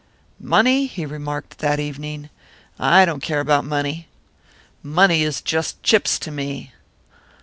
"Money?" he remarked, that evening. "I don't care about money. Money is just chips to me."